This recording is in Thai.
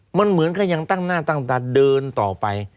มันเหมือนก็ยังตั้งหน้าตั้งตาเดินต่อไป